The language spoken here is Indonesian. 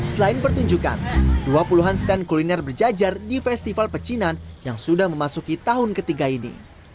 selain pertunjukan dua puluh an stand kuliner berjajar di festival pecinan yang sudah memasuki tahun ketiga ini